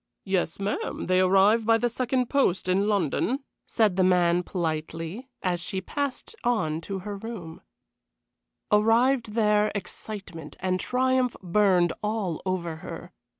"Yes, ma'am, they arrive by the second post in London," said the man, politely, and she passed on to her room. Arrived there, excitement and triumph burned all over her.